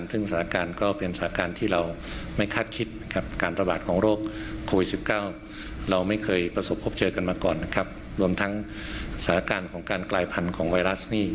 ทั้งสถาการณ์ของการกลายพันธุ์ของไวรัสนี่